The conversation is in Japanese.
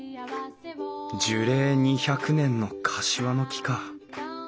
樹齢２００年のカシワの木か。